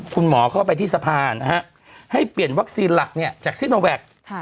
คุณหมอเข้าไปที่สะพานนะฮะให้เปลี่ยนวัคซีนหลักเนี่ยจากซิโนแว็กซ์